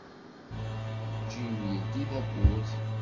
Jim yeldi tawwurt.